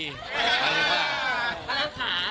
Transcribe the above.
ขา